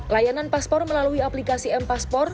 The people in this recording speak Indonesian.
layanan paspor melalui aplikasi m paspor